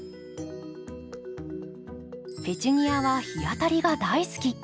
ペチュニアは日当たりが大好き。